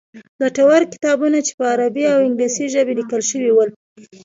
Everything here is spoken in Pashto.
ګټور کتابونه چې په عربي او انګلیسي ژبې لیکل شوي ول.